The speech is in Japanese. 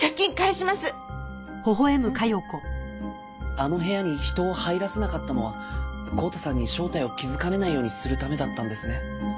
あの部屋に人を入らせなかったのは康太さんに正体を気づかれないようにするためだったんですね。